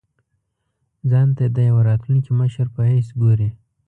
ځان ته د یوه راتلونکي مشر په حیث ګوري.